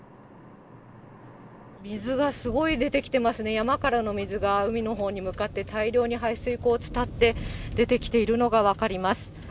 水がすごい出てきてますね、山からの水が、海のほうに向かって、大量に排水口を伝って出てきているのが分かります。